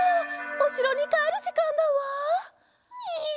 おしろにかえるじかんだわ。にゅ。